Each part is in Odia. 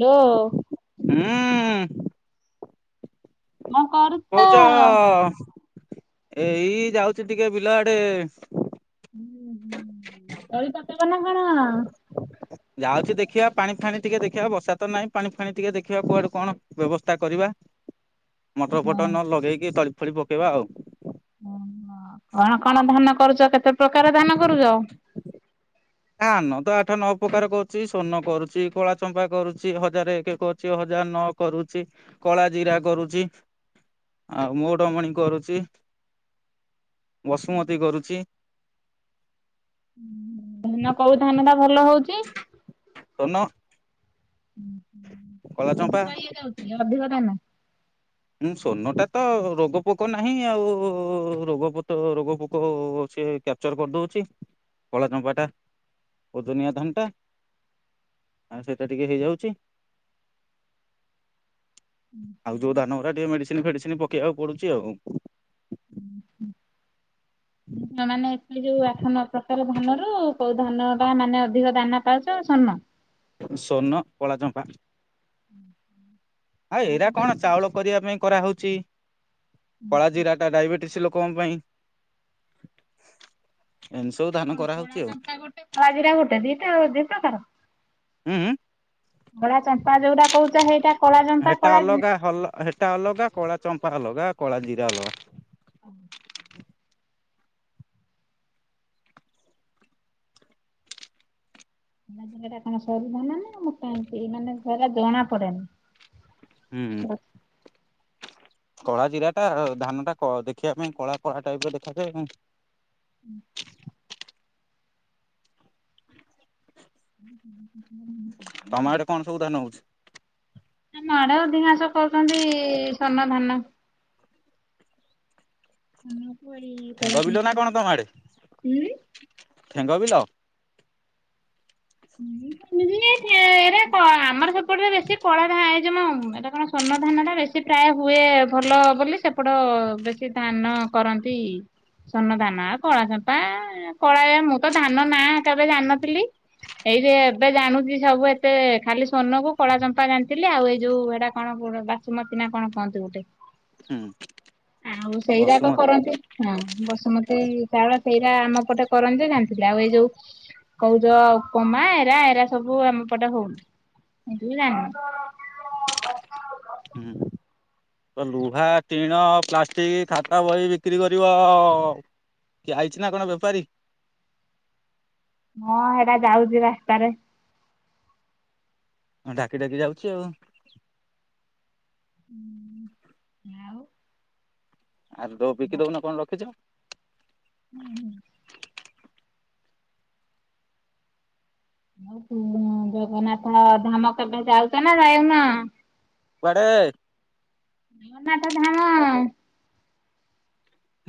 ଲ ହୁଁ, ମୁଁ କରୁ କହୁଚ, ଏଇ ଯାଉଚି ଟିକେ ବିଲ ଆଡେ। ଉଁ, ହଁ ତଳି କାଟ କଲେ କଣ? ଯାଉଛି ଦେଖିଆ, ପାଣି ଫାଣି ଟିକେ ଦେଖିବା ବର୍ଷା ତ ନାହିଁ ପାଣି ଫାଣି ଟିକେ ଦେଖିବା କୁଆଡୁ କଣ ବ୍ୟବସ୍ଥା କରିବା। [inaudible] ମଟର ଫଟର ହଁ ନ ଲଗେଇକି ତଳି ଫଳି ପକେଇବା ଆଉ। [inaudible] କଣ କଣ ଧାନ କରୁଚ, କେତେ ପ୍ରକାର ଧାନ କରୁଚ? ଧାନ ତ ଆଠ ନଅ ପ୍ରକାର କରୁଛି, ସର୍ଣ୍ଣ କରୁଚି, କଳା ଚମ୍ପା କରୁଚି, ହଜାର ଏକ କରୁଛି, ହଜାର ନଅ କରୁଚି, କଳା ଜିରା କରୁଚି। ଆଉ ମଉଢମଣି କରୁଛି, ବସୁମତୀ କରୁଛି। ଧାନ କୋଉ ଧାନ ଟା ଭଲ ହଉଚି? ସର୍ଣ୍ଣ। କଳା [inaudible] ଚମ୍ପା ଅଧିକା ଇଏ ଯାଉଛି, [inaudible] ଅଧିକ ଧାନ। ଉଁ, ସର୍ଣ୍ଣ ଟା ତ ରୋଗପୋକ ନାହିଁ, ଆଉ ରୋଗ ପୁତ ରୋଗ ପୋକ ଅଛି ଏ କେ ଚର କରିଦଉଛି, କଳା ଚମ୍ପା ଟା ଓଜନିଆ ଧାନଟା। ଆଉ ସେଇଟା ଟିକେ ହେଇଯାଉଚି। [unintelligible] ଆଉ ଯୋଉ ଧାନ ଗୁଡା ଟିକେ ମେଡିସିନ ଫେଡିସିନ ପକେଇବାକୁ ପଡୁଛି ଆଉ। ହୁଁ ହ। ମାନେ ଏଠ ଯୋଉ ଆଠ ନ ପ୍ରକାର ଧାନରୁ କୋଉ ଧାନ ବା ମାନେ ଅଧିକ ଦାନା ପାଉଛ ସ୍ଵର୍ଣ। ସ୍ଵର୍ଣ୍ଣ କଳାଚମ୍ପା। ହୁଁ ହଁ। ଆଉ ଏଇରା କଣ ଚାଉଳ କରିବା ପାଇଁ କରାହଉଛି। କଳା ଜିରା ଟା ଡାଇବେଟିସ ଲୋକଙ୍କ ପାଇଁ। ଏନ୍ତି ସବୁ ଦା କଣଳା ଗୋଟେ କଳା ଜିରା ଗୋଟେ ଦିଟା ଦି ପ୍ରକାର। ଉଁ ଉଁ କଳା ଚମ୍ପା ଯୋଉଟା କହୁଛ ସେଇଟା କଳା ଚମ୍ପା ହେଟା କଳା ଅଲଗା ହଲ ହେଟା ଅଲଗା କଳା ଚମ୍ପା ଅଲଗା କଳା ଜିରା ଅଲଗା। ହ। ଜାଗ ଟା କଣ ସରୁଧାନ ନା ମୋଟା ମୁଁ କାହିଁତି ମାନେ ଧରା ଜଣା ପଡେନି? ହୁଁ। କଳା ଜିରାଟା ଧାନ ଟା ଦେଖିବା ପାଇଁ କଳା କଳା ଟାଇପର ଦେଖାଯାଏ। ହୁଁ। [unintelligible] ତମ ଆଡେ କଣ ସବୁ ଧାନ ହଉଛି? ନା ଆମ ଆଡେ ଅଧିକାଂଶ କରୁଛନ୍ତି ସ୍ଵଣ୍ଣ ଧାନ। ଧାନକୁ ଏଇ କଳା ଠେଙ୍ଗ ବିଲ ନା ଚମ୍ପା କଣ ତମ ଆଡେ ଉଁ ଠେଙ୍ଗ ବିଲ? ରେ ଆମର ସେପଟରେ ବେଶୀ କଳା ଧା ଯେ ମୁଁ ଏଟା କଣ ସ୍ଵର୍ଣ୍ଣ ଧାନଟା ବେଶୀ ପ୍ରାୟ ହୁଏ ଭଲ ବୋଲି ସେପଟ ବେଶୀ ସେ ଧାନ କରନ୍ତି। ସ୍ଵର୍ଣ୍ଣ ଧାନ ଆଉ କଳା ଚପା କଳା ମୁଁ ତ ଧାନ ନା ହେରିକା ଜାଣିନଥିଲି। ଏଇ ଯେ ଏବେ ଜାଣୁଛି ସବୁ ଏତେ ଖାଲି ସ୍ଵର୍ଣ୍ଣକୁ କଳା ଚମ୍ପା ଜାଣିଥିଲି ଆଉ ଏଇ ଯୋଉ ଏଇଟା କଣ ପୁଣ ସୁମତିନା କଣ କହନ୍ତି ଗୋଟେ ହୁଁ ଆଉ ସେଇଯାକ ବସୁମତୀ କରନ୍ତି। ହଁ ବସୁମତୀ ଚାଉଳ ସେଇଟା ଆମ ପଟେ କରଚୁ ଜାଣିଥିଲେ ଆଉ ଏଇ ଯୋଉ କହୁଛ ଉପମା ଏରା ଏରା ସବୁ ଆମ ପଟେ ହଉନି ସେ ଜାଣିନ ହୁଁ। ତ ଲୁହା ଟିଣ ପ୍ଲାଷ୍ଟିକ ଖାତା ବହି ବିକ୍ରି କରିବ। କିଏ ଆଇଛି ନା କଣ ବେପାରୀ? ମୁଁ ସେଇଟା ଯାଉଛି ରାସ୍ତାରେ। ହଁ ଡାକି ଡାକି ଯାଉଛି ଆଉ ହଁ ଆଉ। ଆଉ ତୋ ବିକି ଦଉନ କଣ ରଖିଛ? ନାଇଁ ହଁ। ଜଗନ୍ନାଥ ଧାମ କେବେ ଯାଉଛ ନା ଯାଇନ? କୁଆଡେ? ଜଗନ୍ନାଥ ଧାମ।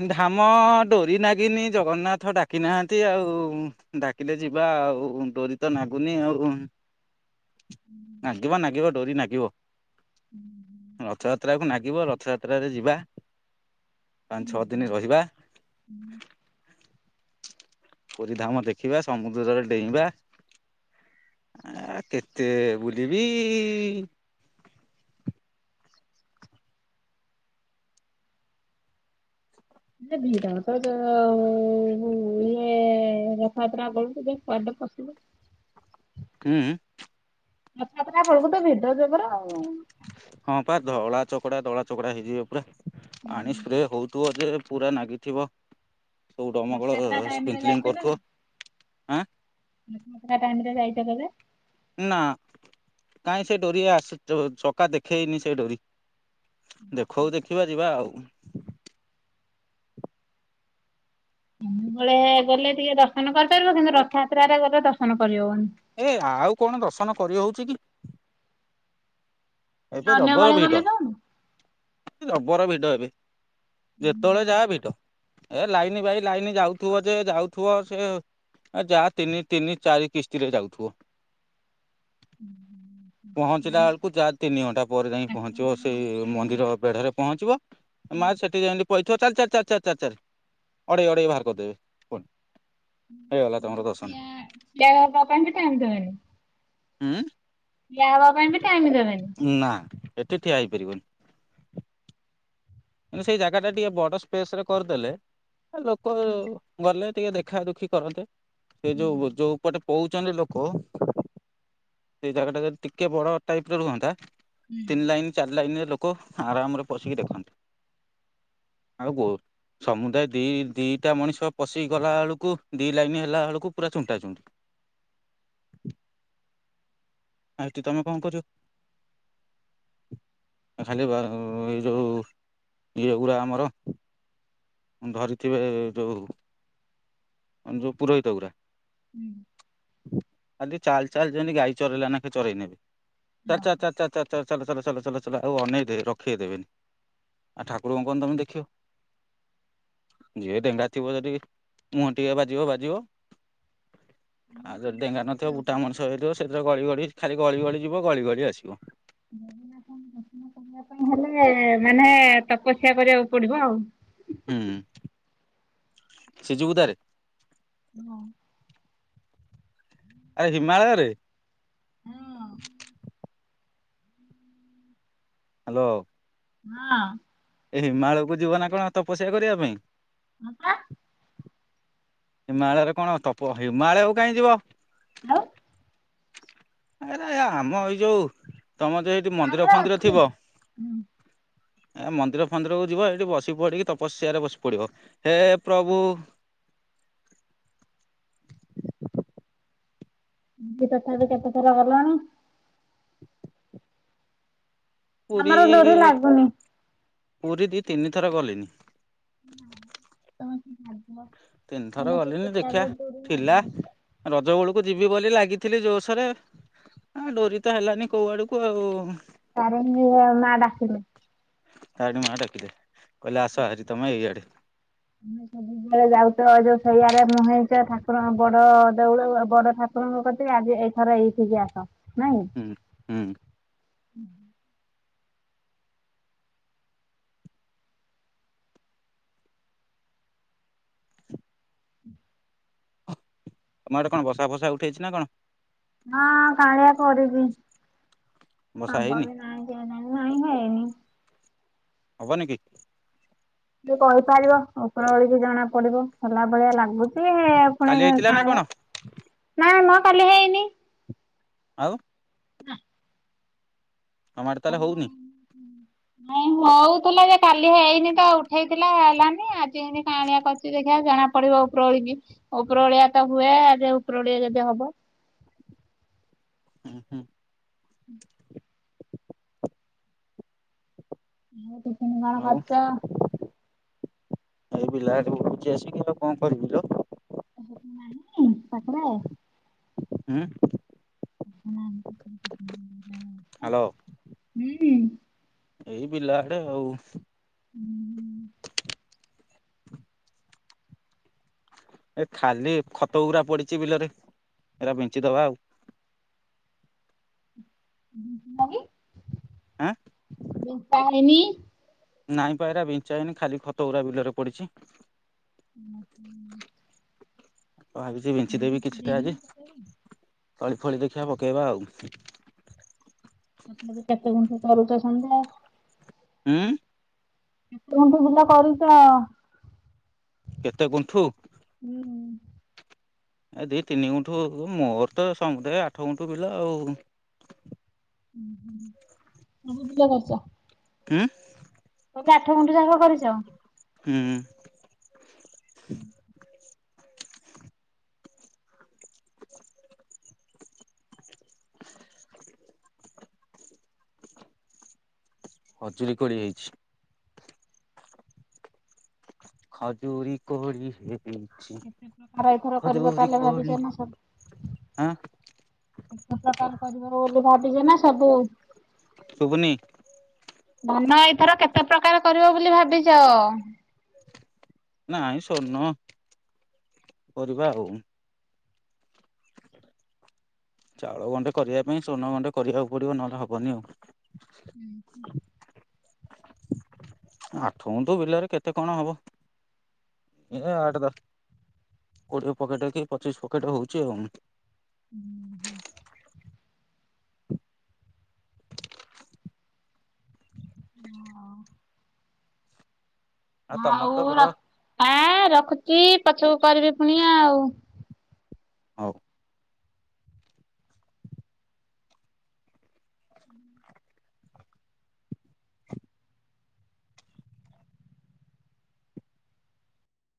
ଧାମ ଡୋରି ନାଗିନି ଜଗନ୍ନାଥ ଡାକି ନାହାନ୍ତି ଆଉ। ଡାକିଲେ ଯିବା ଆଉ ଡୋରି ତ ନାଗୁନି ଆଉ। ନାଗିବା ନାଗିବ ଡୋରି ନାଗିବ। ରଥଯାତ୍ରାକୁ ନାଗିବ ରଥଯାତ୍ରାରେ ଯିବା? ପାଞ୍ଚ ଛଅ ଦିନ ରହିବା। ପୁରୀ ଧାମ ଦେଖିବା ସମୁଦ୍ରରେ ଡେଇଁବା। ଆ କେତେ ବୁଲିବି? ନା ଧୀର ତ ଯୋ ଇଏ ରଥଯାତ୍ରା ବେଳକୁ ଯେ କୁଆଡେ଼ ପଶିବ? ହୁଁ। ରଥଯାତ୍ରା ବେଳକୁ ତ ଭିିଡ ଜବର ଆଉ ହଁ ପା ଧଳା ଚକଡା ଧଳା ଚକଡା ହେଇଯିବେ ପୁରା ଆଣି ସ୍ପ୍ରେ ହଉଥିବ ଯେ ପୁରା ନାଗିଥିବ ସବୁ ଦମକଳ ରଥଯାତ୍ରା ଟାଇମ୍ ରେ ଯାଇଛ ସ୍ପ୍ରିଙ୍କଲିଙ୍ଗ କରୁଥିବ ଆଁ ମକା ଟାଇମରେ ଯାଇତ କଲେ। ନା କାହିଁ ସେ ଡୋରି ଆସ ଚକା ଦେଖେଇନି ସେ ଡୋରି ଦେଖଉ ଦେଖିବା ଯିବା ଆଉ ସବୁବେଳେ ଗଲେ ଟିକେ ଦର୍ଶନ କରିପାରିବ କିନ୍ତୁ ରଥଯାତ୍ରରେ ଗଲେ ଦର୍ଶନ କରିହବନି। ଏ ଆଉ କଣ ଦର୍ଶନ କରିହଉଛି କି? ଏବେ ଯବର ବେଳେ ଭିଡ। ଗଲେ ଯାଉନୁ? ଜବର ଭିଡ ଏବେ ଯେତେବେଳେ ଯାଆ ଭିଡ। ଏ ଲାଇନ ଭାଇ ଲାଇନ ଯାଉଥିବ ଯେ ଯାଉଥିବ ସେ ଆ ଯାହା ତିନି ତିନି ଚାରି କିସ୍ତିରେ ଯାଉଥିବ। ପହଞ୍ଚିଲା ମାନେ ବେଳକୁ ଯାହା ତିନି ଘଣ୍ଟା ପରେ ଯାଇ ପହଞ୍ଚିବ ଠାକୁରଙ୍କର ସେଇ ସ୍ଥାନ ମନ୍ଦିର ବେଢ଼ାରେ ପହଞ୍ଚିବ। ମା ସେଠି ଯେମି ପଇଥିବ୍ ଚାଲ ଚାର ଚ ଚାର ଚାର ଚାର। ଅଡେଇ ଅଡେଇ ବାହାର କରିଦେବେ ପୁଣି। ଠିଆ ହେବା ପାଇଁ ବି ଟାଇମ ଦେବେଣି? ହୁଁ। ଠିଆ ହବା ପାଇଁ ବି ଟାଇମ ଦେବେନି? ନା ଏଠି ଠିଆ ହେଇପାରିବନି? ତେଣୁ ସେଇ ଜାଗା ଟା ଟିକେ ବଡ଼ ସ୍ପେସ ରେ କରିଦେଲେ ଲୋକ ହୁଁ ଗଲେ ଟିକେ ଦେଖା ଦୁଖି କରନ୍ତେ ସେ ହୁଁ ଯୋଉ ଯୋଉ ପଟେ କହୁଛନ୍ତି ଲୋକ ସେ ଜାଗାଟା ଟିକେ ବଡ଼ ଟାଇପ ର ରୁହନ୍ତା? ହୁଁ ତିନି ଲାଇନ ଚାରି ଲାଇନରେ ଲୋକ ଆରାମ ରେ ପଶିକି ଦେଖନ୍ତେ? ଆଉ କହୁ ସମୁଦାୟ ଦି ଦିଟା ମଣିଷ ପଶି ଗଲା ବେଳକୁ ଦି ଲାଇନ ହେଲା ବେଳକୁ ପୁରା ଚୁଣ୍ଟା ଚୁଣ୍ଟି। ଆଉ ହେଠି ତମେ କଣ କରିବ? ଖାଲି ଏଇ ଯୋଉ ଏଇ ଯୋଉ ଗୁଡା ଆମର ଧରିଥିବେ ଯୋଉ ଯୋଉ ପୁରୋହିତ ଗୁରା। ହୁଁ। ଆଜି ଚାଲ ଚାଲ ଜେନ୍ତି ଗାଈ ଚରେଇଲା ନା ଚରେଇ ନେଲା ଭଳିଆ। ଲ ହଁ। ଚାଲ ଚାଲ ଚାଲ ଚାଲ ଚାଲ ଆଉ ଅନେଇ ଦେ ରଖିେଇ ଦେବେନି ଆଉ ଠାକୁରଙ୍କୁ କଣ ତମେ ଦେଖିବ? ଯିଏ ଡେଙ୍ଗା ଥିବ ଯଠି ମୁହଁ ଟିକେ ବାଜିବ ବାଜିବ? ମାନେ ଆଉ ଯଦି ଡେଙ୍ଗା କହିଗଲେ ତ ନଥିବ ବୁଟା ମଣିଷ ହେଇଥିବ ସେଥିରେ ଗଳି ଗଳି ଖାଲି ଗଳି ଗଳି ଯିବ ଗଳି ଗଳି ଆସିବ। ଜଗନ୍ନାଥଙ୍କୁ ଦର୍ଶନ କରିବା ପାଇଁ ହେଲେ ମାନେ ତପସ୍ୟା କରିବାକୁ ପଡିବ ଆଉ ହୁଁ ସିଜୁ ବୁଦାରେ। ହଁ। ଆ ହିମାଳୟରେ। ହଁ। ହାଲୋ। ହଁ। ଏଇ ହିମାଳକୁ ଯିବ ନା କଣ, ତପସ୍ୟା କରିବା ପାଇଁ? ହଁ ପା। ହିମାଳୟରେ କଣ ତପ, ହିମାଳୟକୁ କାହିଁ ଯିବ? ଆଉ ଏ ଆରେ, ଆମ ଏଇ ଯୋଉ, ତମ ଦେର ଯଦି ମନ୍ଦିର ଆମର ଫନ୍ଦିର ଅଛି। ଥିବ? ଏ ମନ୍ଦିର ଫନ୍ଦିରକୁ ଯିବ, ଏଠି ବସି ପଡିକି ତପସ୍ୟାରେ ବସି ପଡିବ, ହେ ପ୍ରଭୁ ପୁରୀ ତଥାପି କେତେ ଥର ଗଲଣି? ପୁରୀ, ଆମର ଡୋରି ଲାଗୁନି। ପୁରୀ ଦି ତିନିଥର ଗଲିଣିି। ନା, ତମେ କେବେ ଭାବିଲ? ତିନିଥର ଗଲିଣିି ଦେଖିଆ, ଥିଲା, ରଜବେଳକୁ ଯିବି ବୋଲି ଲାଗିଥିଲି ଜୋସରେ ହଁ, ଡୋରି ତ ହେଲାନି କୋଉ ଆଡକୁ ଆଉ। ତାରିଣୀ ଯିବା ମାଆ ଡାକିଲେ। ତାରିଣୀ ମା ଡାକିଲେ, କହିଲେ ଆସ ହାରି ତମେ ଏଇଆଡେ। ତମେ ସବୁ ବେଳେ ଯାଉଚ, ଯୋଉ ସେଇଆଡ଼େ ମୁହେଁ ଇଚ, ଠାକୁରଙ୍କ ବଡ ଦେଉଳ ବଡ ଠାକୁର ଠାକୁରଙ୍କ କତିକି, ଆଜି ଆଜି ଏଇଥର ଏଇଠିକି ଆସ, ନାଇଁ? ହୁଁ। ହୁଁ ତମ ଆଡେ କଣ ବସା ଫସା ଉଠେଇଚି ନା କଣ? ହଁ, କାଳିଆ କରିଚି, ବର୍ଷା ଶବ ହେଇନି ବି ନାହିଁ। ସେ ନାଇ, ନାଇଁ ହେଇନି। ହବନି କି? କିଏ କହିପାରିବ, ଉପର ଓଳିକି ଜଣା ପଡିବ, ହେଲା ଭଳିଆ ଲାଗୁଚି ଇ ଇ। କାଲି ହେଇଥିଲା ନା କଣ [unintelligible] ନାଇଁମ, କାଲି ହେଇନି। ଆଉ ନା। ତମ ଆଡେ ତାଲେ ହଉନି? ହୁଁ। ନାଇଁ ହଉଥିଲା ଯେ, କାଲି ହେଇନି ତ, ଉଠେଇଥିଲା ହେଲାନି, ଆଜି ଏଇନେ କାଆଁଳିଆ କରି ସେ ଦେଖିବା, ଜଣା ପଡିବ ଉପର ଓଳିିକି, ଉପର ଓଳିଆ ତ ହୁଏ, ଆ ଉପରଳିଆ ଯଦି ହବ? ହୁଁ ହୁଁ। ମୁଁ ତ [unintelligible] ଆଉ, ଏଇ ବିଲ ଆଡେ ବୁଲୁଚି ଆସିକି, ଆଉ କଣ କରିବି ଲୋ? ଏ ସେଠି ନାହିଁକି, ପାଖରେ? ଉଁ। ହାଲୋ [unintelligible] ଏଇ ବିଲ ଆଡେ ଆଉ। ହୁଁ ହୁଁ। ଏ ଖାଲି ଖତ ଗୁରା ପଡିଚି ବିଲରେ, ଏଇଟା ବିଞ୍ଚିଦବା ଆଉ। ବିଞ୍ଚିଲନି, ଆଁ ବିଞ୍ଚା ହେଇନି? ନାଇଁ ପା, ଏଇରା ବିଞ୍ଚାହେଇନି, ଖାଲି ଖତ ଗୁରା ବିଲରେ ପଡିଚି। [unintelligible] ହଁ, ଭାବିଚି ବିଞ୍ଚିଦେବି କିଛିଟା ଆଜି, ତଳି ଫଳି ଦେଖିଆ ପକେଇବା ଆଉ। ତଥାପି କେତେ ଗୁଣ୍ଠୁ କରୁଚ ସମୁଦାୟ? ଉଁ। କେମିତି ବିଲ କରିଛ? କେତେ ଗୁଣ୍ଠୁ? ହୁଁ। ଏ ଦି ତିନି ଗୁଣ୍ଠୁ ମୋର ତ ସମୁଦାୟ ଆଠ ଗୁଣ୍ଠୁ ବିଲ ଆଉ। ଉଁ ହୁଁ ସବୁ ବିଲ କରିଚ? ଉଁ। ମୁଁ କହିଲି ଆଠ ଗୁଣ୍ଠୁ ଯାକ କରିଛ? ହୁଁ। ଉଁ ହୁଁ। ଖଜୁରୀ କୋଳି ହେଇଛି। ଖଜୁରି କୋଳି ହେ ହେଇଚି। କେତେ ପ୍ରକାର ଏଇଥର କରିବ ତାହେଲେ ଭାବିଛ ନା ସବୁ? ଆଁ କେତେ ପ୍ରକାର କରିବ ବୋଲି ଭାବିଚ ନା ସବୁ? ଶୁବୁନି? ଧାନ ଏଇଥର କେତେ ପ୍ରକାର କରିବ ବୋଲି ଭାବିଚ? ନାଇଁ ସୋର୍ଣ୍ଣ କରିବା ଆଉ। ଚାଉଳ ଗଣ୍ଡେ କରିବା ପାଇଁ ସ୍ଵର୍ଣ୍ଣ ଗଣ୍ଡେ କରିବାକୁ ପଡିବ ନହେଲେ ହବନି ଆଉ। ଉଁ ହୁଁ। ଆଠଗୁଣ୍ଠୁ ବିଲରେ କେତେ କଣ ହବ। ଏ ଆଠ ଦଶ କୋଡିଏ ପକେଟ କି ପଚିଶି ପକେଟ ହଉଛି ଆଉ। ହୁଁ ହୁଁ। ହଁ। ତମର ଆଉ ତ ବିଲ ର ଆଁ ରଖୁଛି ପଛୁକୁ କରିବି ପୁଣି ଆଉ। ହଉ।